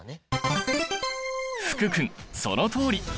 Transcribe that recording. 福君そのとおり！